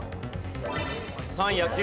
３位野球。